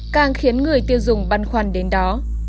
càng khiến người tiêu dùng băn khoăn đến đó